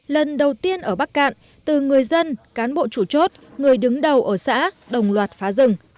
lần đầu tiên ở bắc cạn từ người dân cán bộ chủ chốt người đứng đầu ở xã đồng loạt phá rừng